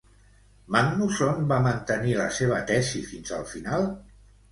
Magnússon va mantenir la seva tesi fins al final?